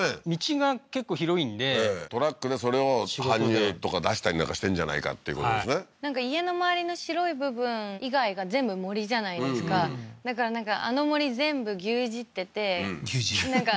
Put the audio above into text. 道が結構広いんでトラックでそれを搬入とか出したりなんかしてんじゃないかっていうことですねなんか家の周りの白い部分以外が全部森じゃないですかだからなんかあの森全部牛耳ってて牛耳る？